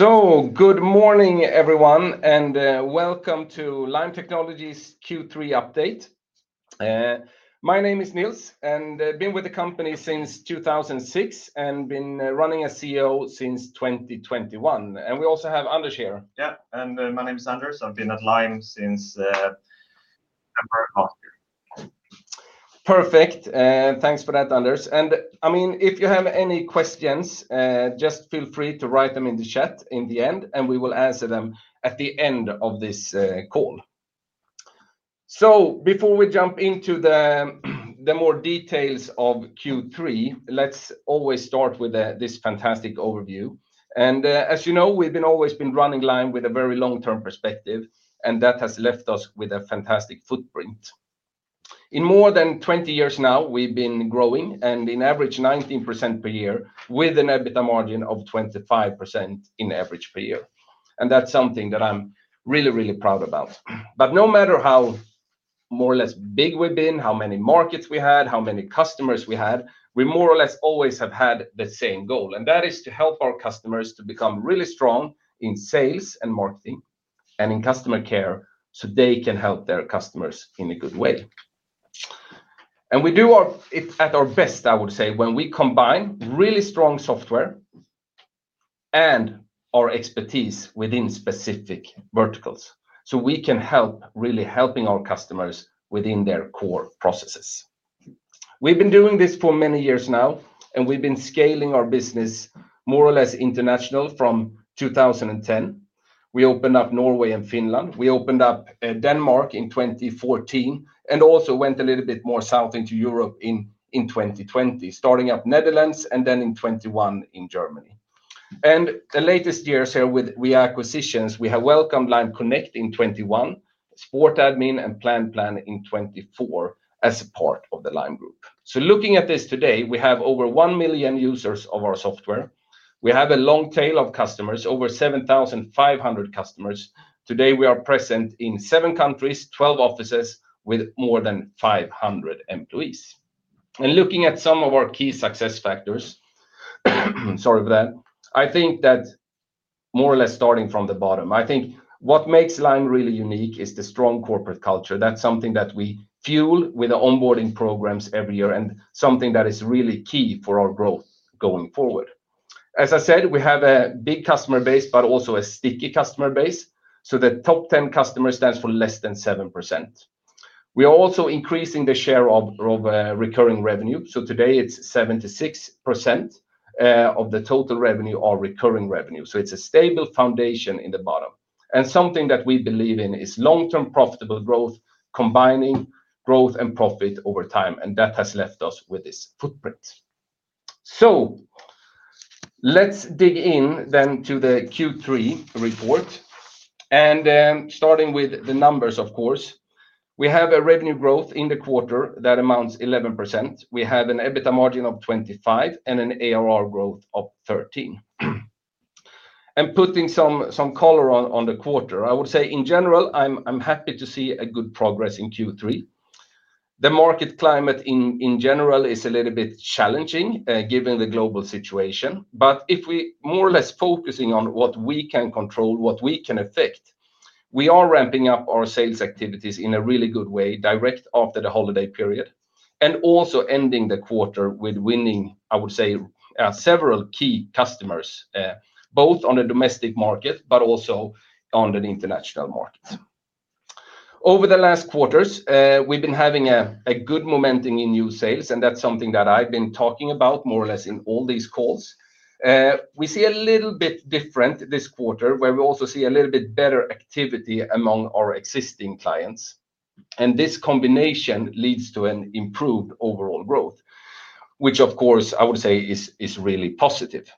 Good morning, everyone, and welcome to Lime Technologies' Q3 update. My name is Nils, and I've been with the company since 2006 and been running as CEO since 2021. We also have Anders here. Yeah, my name is Anders. I've been at Lime since September of last year. Perfect. Thanks for that, Anders. If you have any questions, just feel free to write them in the chat at the end, and we will answer them at the end of this call. Before we jump into the more details of Q3, let's always start with this fantastic overview. As you know, we've always been running Lime Technologies with a very long-term perspective, and that has left us with a fantastic footprint. In more than 20 years now, we've been growing at an average of 19% per year with an EBITDA margin of 25% in average per year. That's something that I'm really, really proud about. No matter how more or less big we've been, how many markets we had, how many customers we had, we more or less always have had the same goal, and that is to help our customers to become really strong in sales and marketing and in customer care so they can help their customers in a good way. We do it at our best, I would say, when we combine really strong software and our expertise within specific verticals so we can really help our customers within their core processes. We've been doing this for many years now, and we've been scaling our business more or less internationally from 2010. We opened up Norway and Finland. We opened up Denmark in 2014 and also went a little bit more south into Europe in 2020, starting up Netherlands and then in 2021 in Germany. In the latest years here with acquisitions, we have welcomed Lime Connect in 2021, Sport Admin, and Plan Plan in 2024 as a part of the Lime Group. Looking at this today, we have over 1 million users of our software. We have a long tail of customers, over 7,500 customers. Today, we are present in seven countries, 12 offices with more than 500 employees. Looking at some of our key success factors, I think that more or less starting from the bottom, what makes Lime Technologies really unique is the strong corporate culture. That's something that we fuel with the onboarding programs every year and something that is really key for our growth going forward. As I said, we have a big customer base, but also a sticky customer base. The top 10 customers stand for less than 7%. We are also increasing the share of recurring revenue. Today, it's 76% of the total revenue of recurring revenue. It's a stable foundation in the bottom. Something that we believe in is long-term profitable growth, combining growth and profit over time. That has left us with this footprint. Let's dig in then to the Q3 report. Starting with the numbers, of course, we have a revenue growth in the quarter that amounts to 11%. We have an EBITDA margin of 25% and an ARR growth of 13%. Putting some color on the quarter, I would say in general, I'm happy to see good progress in Q3. The market climate in general is a little bit challenging given the global situation. If we more or less focus on what we can control, what we can affect, we are ramping up our sales activities in a really good way direct after the holiday period and also ending the quarter with winning, I would say, several key customers, both on the domestic market and also on the international markets. Over the last quarters, we've been having good momentum in new sales, and that's something that I've been talking about more or less in all these calls. We see a little bit different this quarter where we also see a little bit better activity among our existing clients. This combination leads to improved overall growth, which of course, I would say, is really positive.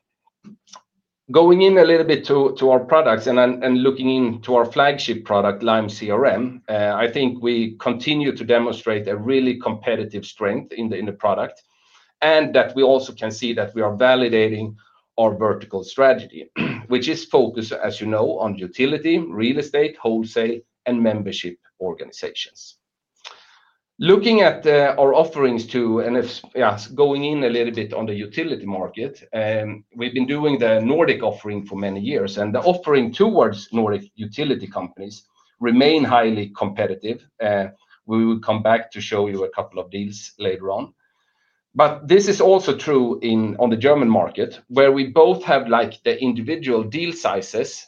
Going in a little bit to our products and looking into our flagship product, Lime CRM, I think we continue to demonstrate a really competitive strength in the product and that we also can see that we are validating our verticalization strategy, which is focused, as you know, on utility, real estate, wholesale, and membership organizations. Looking at our offerings too, and if going in a little bit on the utility market, we've been doing the Nordic offering for many years, and the offering towards Nordic utility companies remains highly competitive. We will come back to show you a couple of deals later on. This is also true on the German market where we both have the individual deal sizes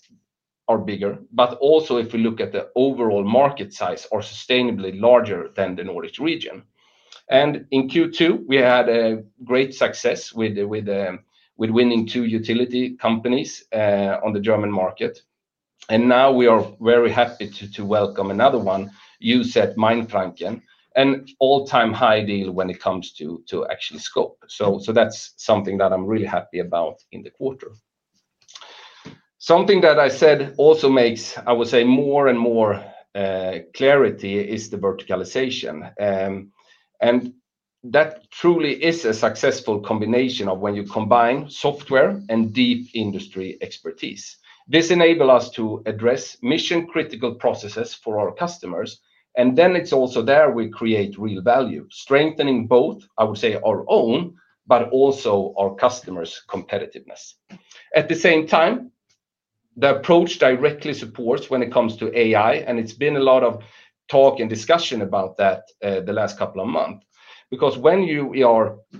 that are bigger, and also if we look at the overall market size, are sustainably larger than the Nordic region. In Q2, we had great success with winning two utility companies on the German market. Now we are very happy to welcome another one, you said Mainfranken, an all-time high deal when it comes to actually scope. That's something that I'm really happy about in the quarter. Something that I said also makes, I would say, more and more clarity is the verticalization. That truly is a successful combination of when you combine software and deep industry expertise. This enables us to address mission-critical processes for our customers. It's also there we create real value, strengthening both, I would say, our own but also our customers' competitiveness. At the same time, the approach directly supports when it comes to AI, and it's been a lot of talk and discussion about that the last couple of months.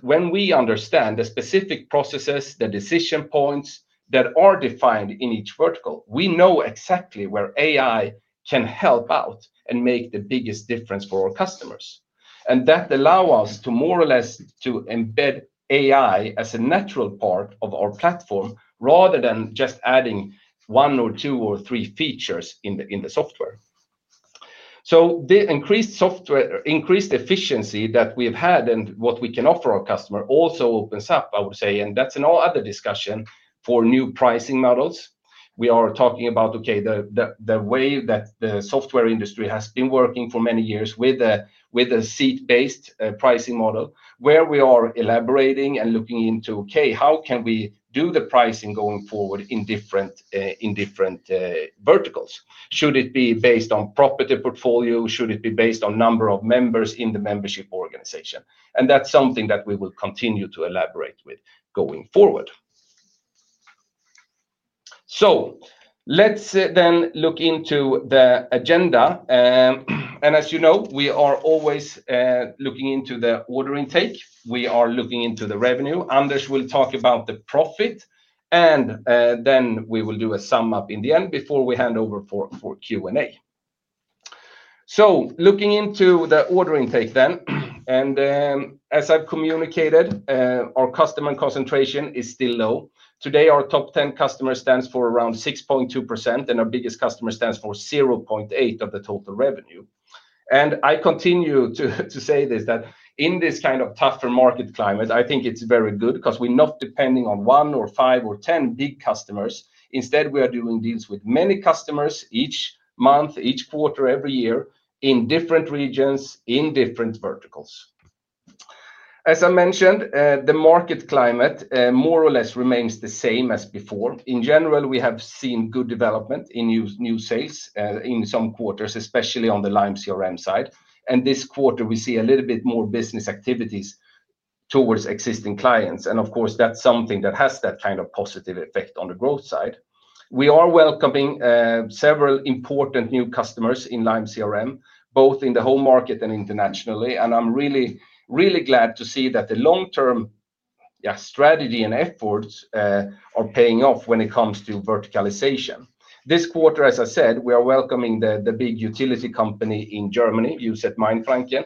When we understand the specific processes, the decision points that are defined in each vertical, we know exactly where AI can help out and make the biggest difference for our customers. That allows us to more or less embed AI as a natural part of our platform rather than just adding one or two or three features in the software. The increased software efficiency that we've had and what we can offer our customers also opens up, I would say, and that's another discussion for new pricing models. We are talking about, OK, the way that the software industry has been working for many years with a seat-based pricing model where we are elaborating and looking into, OK, how can we do the pricing going forward in different verticals? Should it be based on property portfolio? Should it be based on the number of members in the membership organization? That's something that we will continue to elaborate with going forward. Let's then look into the agenda. As you know, we are always looking into the order intake. We are looking into the revenue. Anders will talk about the profit, and then we will do a sum up in the end before we hand over for Q&A. Looking into the order intake then, and as I've communicated, our customer concentration is still low. Today, our top 10 customers stand for around 6.2%, and our biggest customer stands for 0.8% of the total revenue. I continue to say this, that in this kind of tougher market climate, I think it's very good because we're not depending on one or five or ten big customers. Instead, we are doing deals with many customers each month, each quarter, every year in different regions in different verticals. As I mentioned, the market climate more or less remains the same as before. In general, we have seen good development in new sales in some quarters, especially on the Lime CRM side. This quarter, we see a little bit more business activities towards existing clients. Of course, that's something that has that kind of positive effect on the growth side. We are welcoming several important new customers in Lime CRM, both in the home market and internationally. I'm really, really glad to see that the long-term strategy and efforts are paying off when it comes to verticalization. This quarter, as I said, we are welcoming the big utility company in Germany, you said Mainfranken.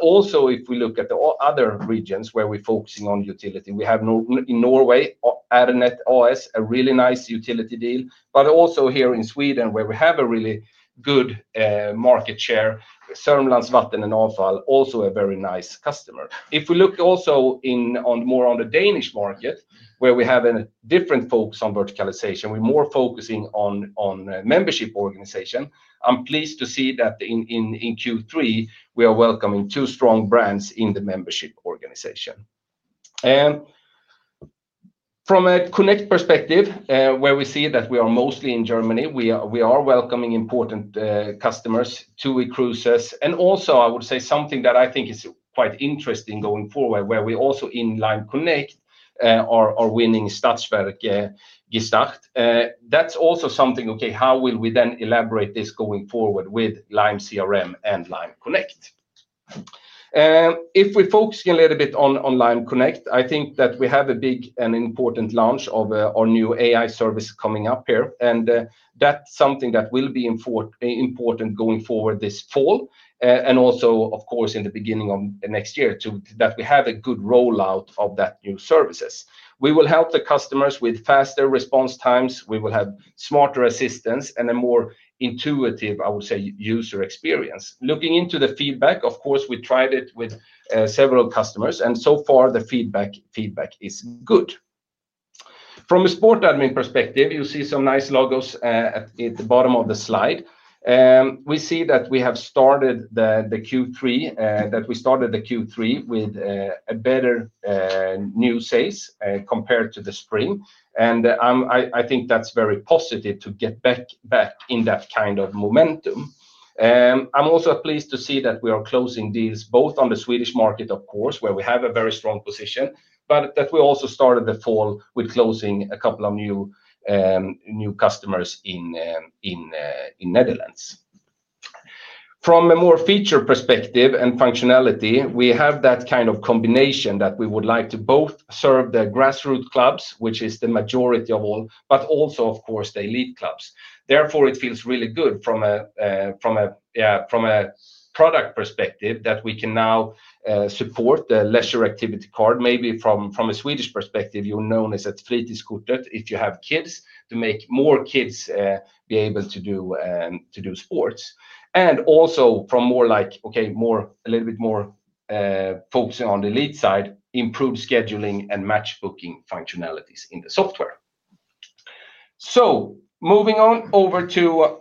Also, if we look at the other regions where we're focusing on utility, we have in Norway, Aranet A/S, a really nice utility deal. Also here in Sweden, where we have a really good market share, Sörmland Vatten and Avfall, also a very nice customer. If we look also more on the Danish market, where we have a different focus on verticalization, we're more focusing on membership organizations. I'm pleased to see that in Q3, we are welcoming two strong brands in the membership organization. From a Connect perspective, where we see that we are mostly in Germany, we are welcoming important customers, TUI Cruises, and also, I would say, something that I think is quite interesting going forward, where we also in Lime Connect are winning Stadsverk Gestalt. That's also something, OK, how will we then elaborate this going forward with Lime CRM and Lime Connect? If we focus a little bit on Lime Connect, I think that we have a big and important launch of our new AI service coming up here. That's something that will be important going forward this fall and also, of course, in the beginning of next year too, that we have a good rollout of that new services. We will help the customers with faster response times. We will have smarter assistants and a more intuitive, I would say, user experience. Looking into the feedback, of course, we tried it with several customers, and so far, the feedback is good. From a Sport Admin perspective, you'll see some nice logos at the bottom of the slide. We see that we have started the Q3 with a better new sales compared to the spring. I think that's very positive to get back in that kind of momentum. I'm also pleased to see that we are closing deals both on the Swedish market, of course, where we have a very strong position, but that we also started the fall with closing a couple of new customers in the Netherlands. From a more feature perspective and functionality, we have that kind of combination that we would like to both serve the grassroots clubs, which is the majority of all, but also, of course, the elite clubs. Therefore, it feels really good from a product perspective that we can now support the leisure activity card, maybe from a Swedish perspective, you're known as ett fritidsskottet if you have kids, to make more kids be able to do sports. Also, from more like, OK, a little bit more focusing on the elite side, improved scheduling and match booking functionalities in the software. Moving on over to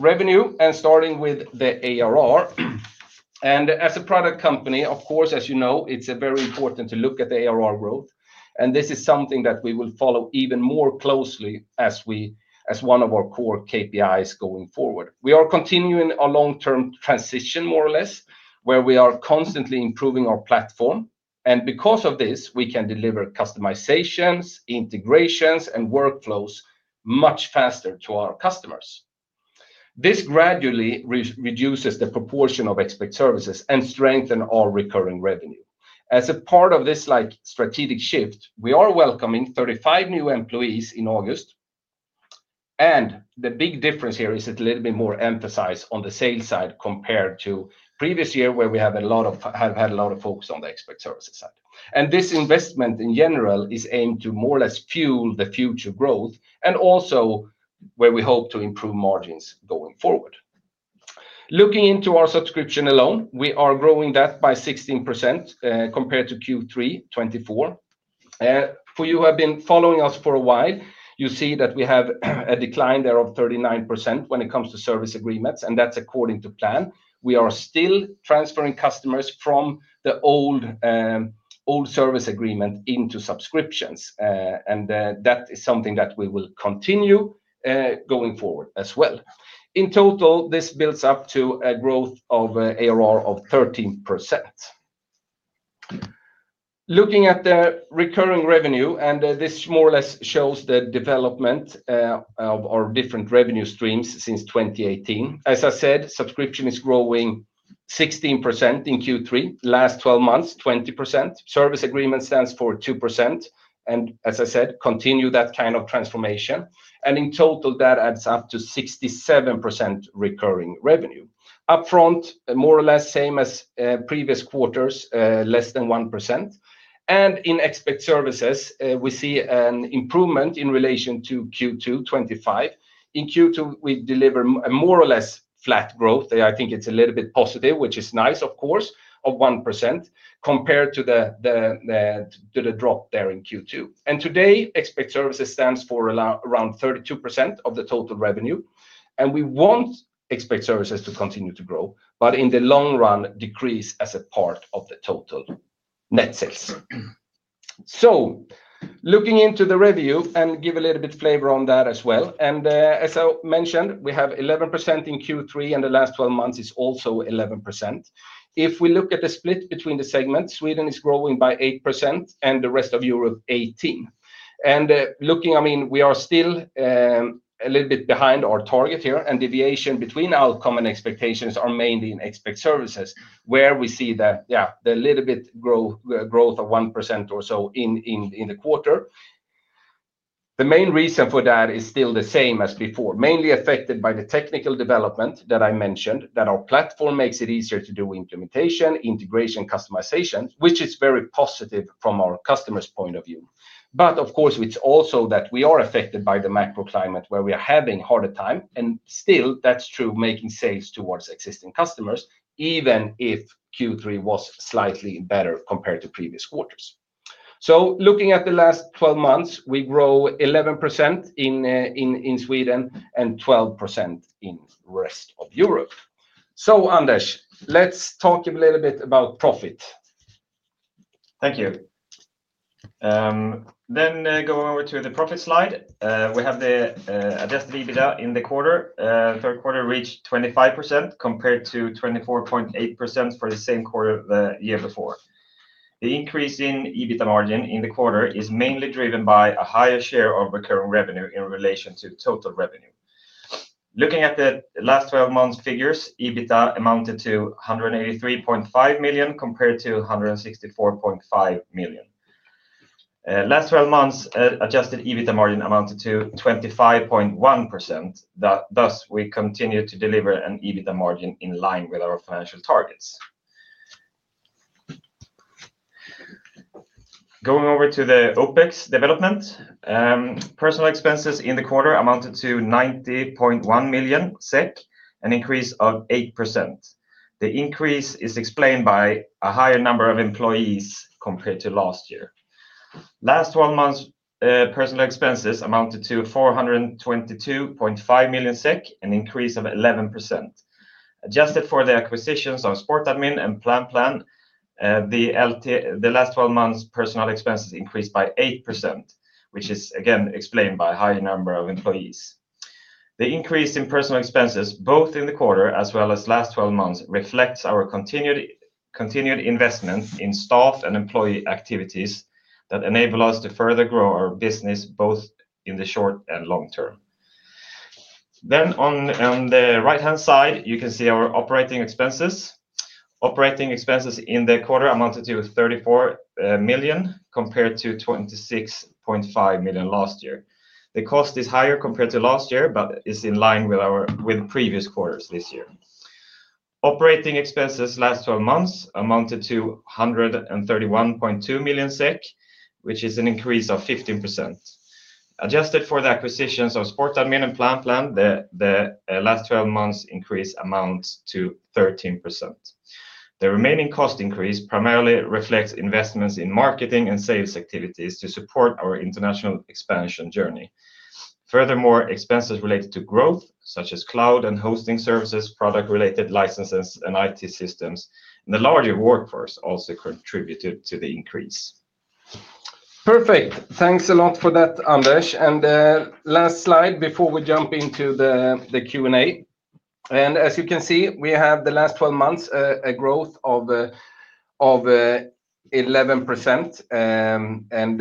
revenue and starting with the ARR. As a product company, of course, as you know, it's very important to look at the ARR growth. This is something that we will follow even more closely as one of our core KPIs going forward. We are continuing a long-term transition, more or less, where we are constantly improving our platform. Because of this, we can deliver customizations, integrations, and workflows much faster to our customers. This gradually reduces the proportion of expert services and strengthens our recurring revenue. As a part of this strategic shift, we are welcoming 35 new employees in August. The big difference here is it's a little bit more emphasized on the sales side compared to the previous year where we have had a lot of focus on the expert services side. This investment in general is aimed to more or less fuel the future growth and also where we hope to improve margins going forward. Looking into our subscription alone, we are growing that by 16% compared to Q3 2024. For you who have been following us for a while, you see that we have a decline there of 39% when it comes to service agreements, and that's according to plan. We are still transferring customers from the old service agreement into subscriptions, and that is something that we will continue going forward as well. In total, this builds up to a growth of ARR of 13%. Looking at the recurring revenue, and this more or less shows the development of our different revenue streams since 2018. As I said, subscription is growing 16% in Q3. Last 12 months, 20%. Service agreement stands for 2%. As I said, continue that kind of transformation. In total, that adds up to 67% recurring revenue. Upfront, more or less same as previous quarters, less than 1%. In expert services, we see an improvement in relation to Q2 2025. In Q2, we deliver more or less flat growth. I think it's a little bit positive, which is nice, of course, of 1% compared to the drop there in Q2. Today, expert services stands for around 32% of the total revenue. We want expert services to continue to grow, but in the long run, decrease as a part of the total net sales. Looking into the revenue, and to give a little bit of flavor on that as well, as I mentioned, we have 11% in Q3, and the last 12 months is also 11%. If we look at the split between the segments, Sweden is growing by 8% and the rest of Europe 18%. We are still a little bit behind our target here. Deviation between outcome and expectations is mainly in expert services where we see that, yeah, the little bit growth of 1% or so in the quarter. The main reason for that is still the same as before, mainly affected by the technical development that I mentioned, that our platform makes it easier to do implementation, integration, customization, which is very positive from our customers' point of view. Of course, it's also that we are affected by the macro climate where we are having a harder time. Still, that's true making sales towards existing customers, even if Q3 was slightly better compared to previous quarters. Looking at the last 12 months, we grow 11% in Sweden and 12% in the rest of Europe. Anders, let's talk a little bit about profit. Thank you. Going over to the profit slide, we have the adjusted EBITDA in the quarter. Third quarter reached 25% compared to 24.8% for the same quarter the year before. The increase in EBITDA margin in the quarter is mainly driven by a higher share of recurring revenue in relation to total revenue. Looking at the last 12 months' figures, EBITDA amounted to 183.5 million compared to 164.5 million. Last 12 months, adjusted EBITDA margin amounted to 25.1%. Thus, we continue to deliver an EBITDA margin in line with our financial targets. Going over to the OPEX development, personnel expenses in the quarter amounted to 90.1 million SEK, an increase of 8%. The increase is explained by a higher number of employees compared to last year. Last 12 months, personnel expenses amounted to 422.5 million SEK, an increase of 11%. Adjusted for the acquisitions of Sport Admin and Plan Plan, the last 12 months, personnel expenses increased by 8%, which is again explained by a higher number of employees. The increase in personnel expenses both in the quarter as well as last 12 months reflects our continued investment in staff and employee activities that enable us to further grow our business both in the short and long term. On the right-hand side, you can see our operating expenses. Operating expenses in the quarter amounted to 34 million compared to 26.5 million last year. The cost is higher compared to last year, but it's in line with previous quarters this year. Operating expenses last 12 months amounted to 131.2 million SEK, which is an increase of 15%. Adjusted for the acquisitions of Sport Admin and Plan Plan, the last 12 months' increase amounts to 13%. The remaining cost increase primarily reflects investments in marketing and sales activities to support our international expansion journey. Furthermore, expenses related to growth, such as cloud and hosting services, product-related licenses, and IT systems, and the larger workforce also contributed to the increase. Perfect. Thanks a lot for that, Anders. Last slide before we jump into the Q&A. As you can see, we have the last 12 months a growth of 11%.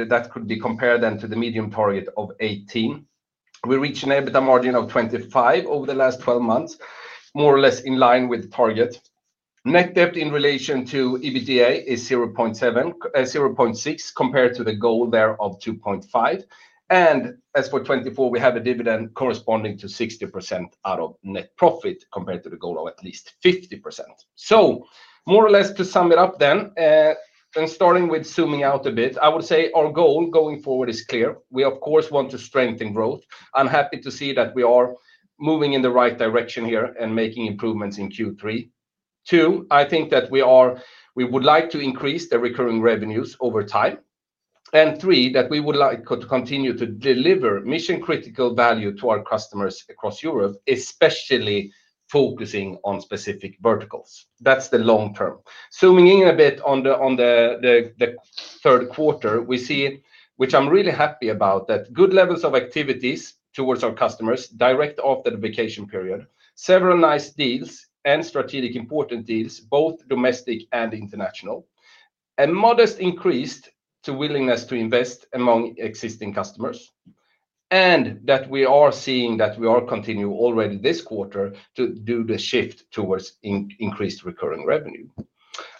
That could be compared then to the medium target of 18%. We reached an EBITDA margin of 25% over the last 12 months, more or less in line with the target. Net debt in relation to EBITDA is 0.6x compared to the goal there of 2.5x. As for 2024, we have a dividend corresponding to 60% out of net profit compared to the goal of at least 50%. More or less to sum it up then, and starting with zooming out a bit, I would say our goal going forward is clear. We, of course, want to strengthen growth. I'm happy to see that we are moving in the right direction here and making improvements in Q3. Two, I think that we would like to increase the recurring revenues over time. Three, that we would like to continue to deliver mission-critical value to our customers across Europe, especially focusing on specific verticals. That's the long term. Zooming in a bit on the third quarter, we see, which I'm really happy about, that good levels of activities towards our customers direct after the vacation period, several nice deals and strategic important deals, both domestic and international, a modest increase to willingness to invest among existing customers, and that we are seeing that we continue already this quarter to do the shift towards increased recurring revenue.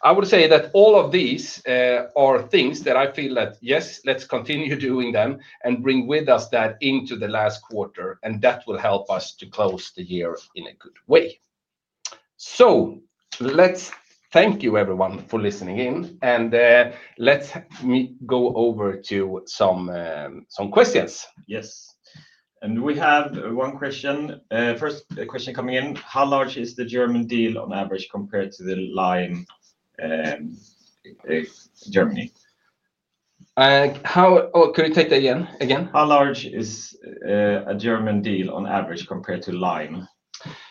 I would say that all of these are things that I feel that, yes, let's continue doing them and bring with us that into the last quarter. That will help us to close the year in a good way. Thank you, everyone, for listening in. Let's go over to some questions. Yes. We have one question. First question coming in, how large is the German deal on average compared to Lime in Germany? Could you take that again? How large is a German deal on average compared to Lime?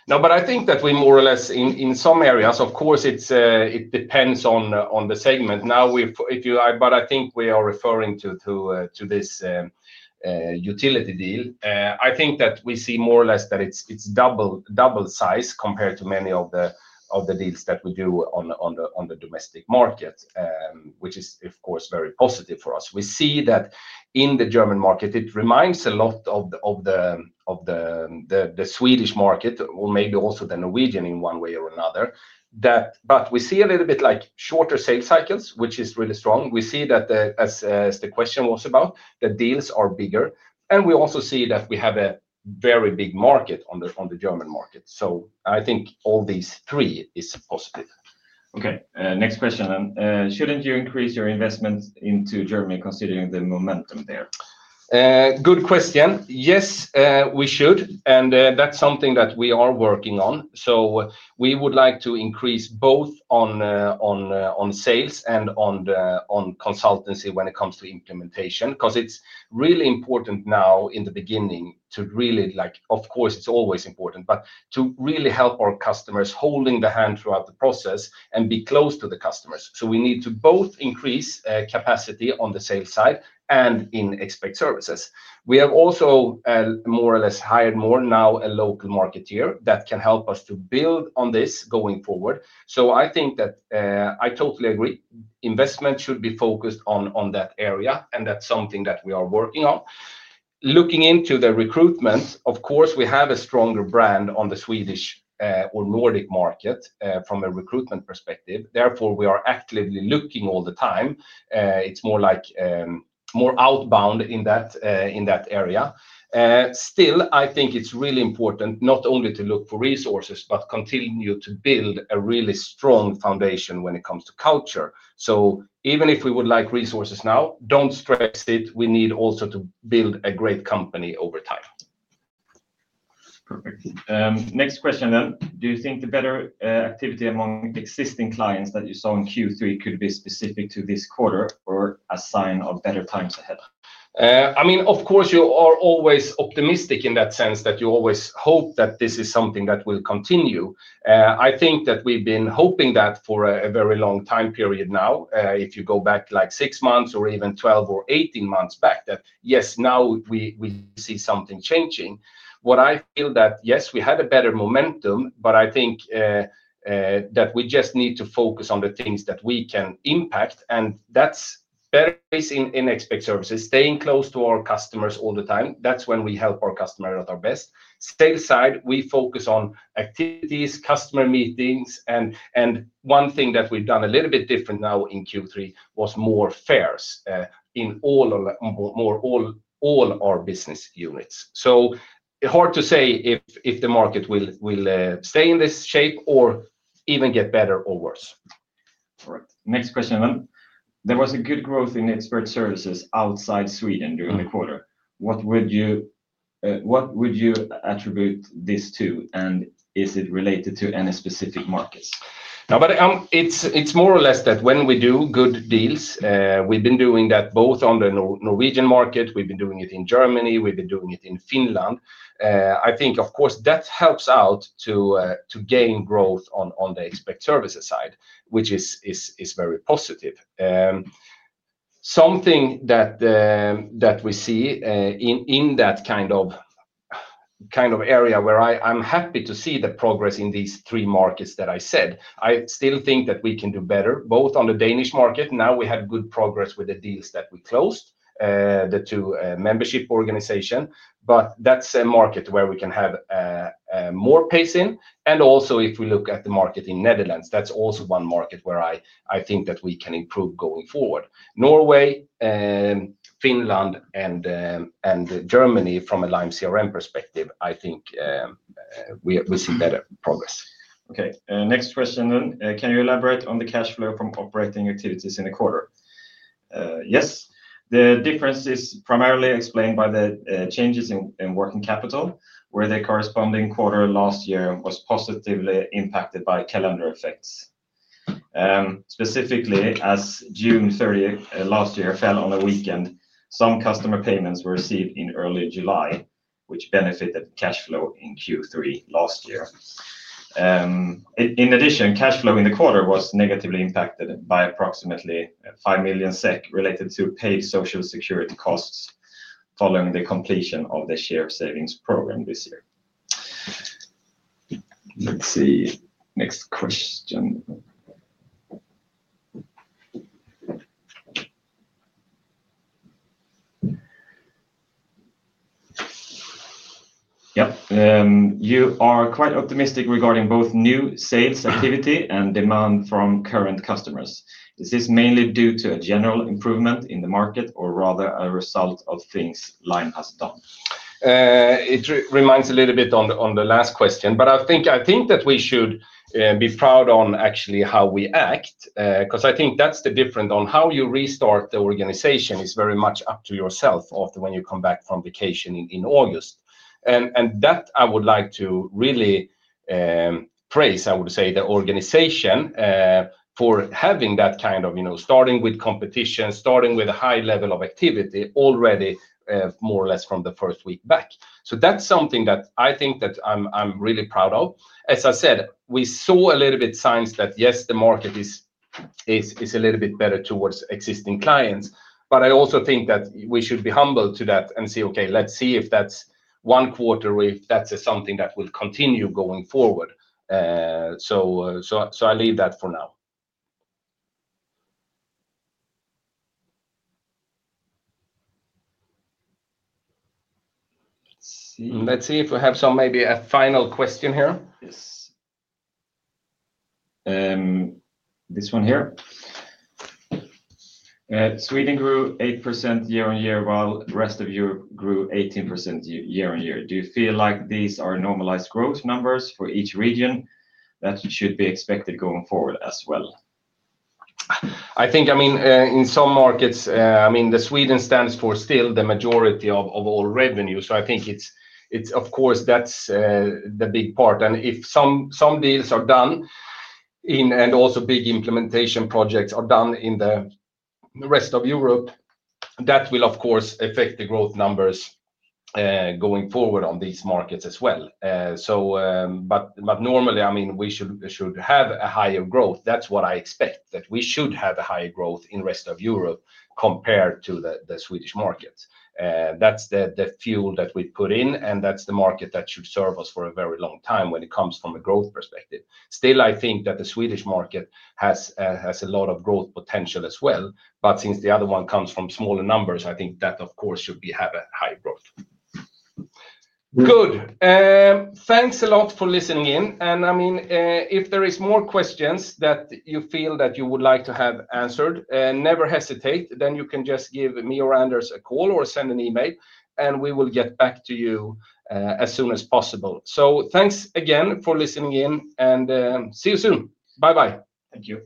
No, but I think that we more or less in some areas, of course, it depends on the segment. I think we are referring to this utility deal. I think that we see more or less that it's double size compared to many of the deals that we do on the domestic market, which is, of course, very positive for us. We see that in the German market, it reminds a lot of the Swedish market or maybe also the Norwegian in one way or another. We see a little bit like shorter sales cycles, which is really strong. We see that, as the question was about, the deals are bigger. We also see that we have a very big market on the German market. I think all these three are positive. OK. Next question. Shouldn't you increase your investment into Germany considering the momentum there? Good question. Yes, we should. That's something that we are working on. We would like to increase both on sales and on consultancy when it comes to implementation because it's really important now in the beginning to really, of course, it's always important, to really help our customers holding the hand throughout the process and be close to the customers. We need to both increase capacity on the sales side and in expert services. We have also more or less hired more now, a local marketeer that can help us to build on this going forward. I think that I totally agree. Investment should be focused on that area. That's something that we are working on. Looking into the recruitment, of course, we have a stronger brand on the Swedish or Nordic market from a recruitment perspective. Therefore, we are actively looking all the time. It's more like more outbound in that area. Still, I think it's really important not only to look for resources, but continue to build a really strong foundation when it comes to culture. Even if we would like resources now, don't stress it. We need also to build a great company over time. Perfect. Next question then. Do you think the better activity among existing clients that you saw in Q3 could be specific to this quarter or a sign of better times ahead? I mean, of course, you are always optimistic in that sense that you always hope that this is something that will continue. I think that we've been hoping that for a very long time period now. If you go back like six months or even 12 or 18 months back, that yes, now we see something changing. What I feel is that yes, we had a better momentum, but I think that we just need to focus on the things that we can impact. That's better based in expert services, staying close to our customers all the time. That's when we help our customers at our best. On the sales side, we focus on activities, customer meetings. One thing that we've done a little bit different now in Q3 was more fairs in all our business units. It's hard to say if the market will stay in this shape or even get better or worse. All right. Next question then. There was a good growth in expert services outside Sweden during the quarter. What would you attribute this to? Is it related to any specific markets? No, but it's more or less that when we do good deals, we've been doing that both on the Norwegian market, we've been doing it in Germany, we've been doing it in Finland. I think, of course, that helps out to gain growth on the expert services side, which is very positive. Something that we see in that kind of area where I'm happy to see the progress in these three markets that I said, I still think that we can do better both on the Danish market. Now we had good progress with the deals that we closed, the two membership organizations. That's a market where we can have more pace in. Also, if we look at the market in the Netherlands, that's also one market where I think that we can improve going forward. Norway, Finland, and Germany from a Lime CRM perspective, I think we see better progress. OK. Next question then. Can you elaborate on the cash flow from operating activities in the quarter? Yes. The difference is primarily explained by the changes in working capital, where the corresponding quarter last year was positively impacted by calendar effects. Specifically, as June 30 last year fell on a weekend, some customer payments were received in early July, which benefited cash flow in Q3 last year. In addition, cash flow in the quarter was negatively impacted by approximately 5 million SEK related to paid Social Security costs following the completion of the shared savings program this year. Let's see. Next question. You are quite optimistic regarding both new sales activity and demand from current customers. Is this mainly due to a general improvement in the market or rather a result of things Lime Technologies has done? It reminds a little bit of the last question. I think that we should be proud of actually how we act because I think that's the difference in how you restart the organization. It's very much up to yourself after you come back from vacation in August. I would really like to praise the organization for having that kind of starting with competition, starting with a high level of activity already more or less from the first week back. That's something that I think I'm really proud of. As I said, we saw a little bit of signs that, yes, the market is a little bit better towards existing clients. I also think that we should be humble to that and say, OK, let's see if that's one quarter or if that's something that will continue going forward. I leave that for now. Let's see if we have maybe a final question here. Yes. This one here. Sweden grew 8% year on year, while the rest of Europe grew 18% year on year. Do you feel like these are normalized growth numbers for each region that should be expected going forward as well? I think in some markets, Sweden stands for still the majority of all revenues. I think, of course, that's the big part. If some deals are done and also big implementation projects are done in the rest of Europe, that will, of course, affect the growth numbers going forward on these markets as well. Normally, we should have a higher growth. That's what I expect, that we should have a higher growth in the rest of Europe compared to the Swedish markets. That's the fuel that we put in. That's the market that should serve us for a very long time when it comes from a growth perspective. Still, I think that the Swedish market has a lot of growth potential as well. Since the other one comes from smaller numbers, I think that, of course, we should have a high growth. Good. Thanks a lot for listening in. If there are more questions that you feel that you would like to have answered, never hesitate. You can just give me or Anders a call or send an email. We will get back to you as soon as possible. Thanks again for listening in. See you soon. Bye-bye. Thank you.